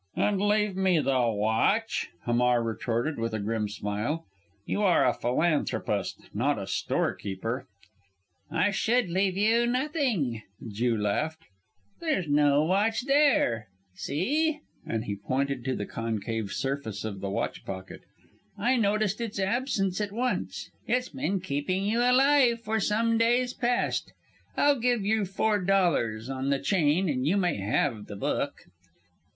"And leave me the watch!" Hamar retorted, with a grim smile. "You are a philanthropist not a storekeeper." "I should leave you nothing!" the Jew laughed. "There's no watch there! See!" and he pointed to the concave surface of the watch pocket. "I noticed its absence at once. It's been keeping you alive for some days past. I'll give you four dollars on the chain and you may have the book!"